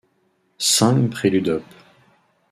Cinq Préludes op.